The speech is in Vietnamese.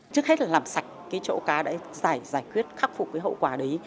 trước hết là làm sạch cái chỗ cá đã giải quyết khắc phục cái hậu quả đấy